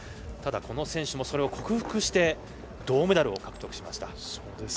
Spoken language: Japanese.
ただこの選手もそれを克服して銅メダルを獲得しました。